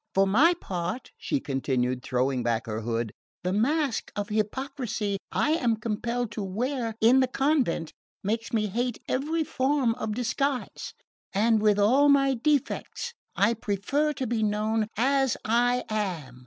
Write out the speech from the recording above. For my part," she continued, throwing back her hood, "the mask of hypocrisy I am compelled to wear in the convent makes me hate every form of disguise, and with all my defects I prefer to be known as I am."